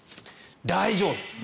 大丈夫。